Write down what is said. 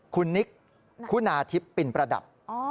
คุณนิกผู้นาทิตย์ผินประดับ